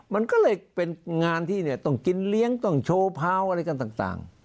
มันก็เลยเป็นงานที่เนี่ยต้องกินเลี้ยงต้องโชว์พาวอะไรกันต่าง